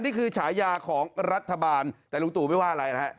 ฉายาของรัฐบาลแต่ลุงตู่ไม่ว่าอะไรนะฮะ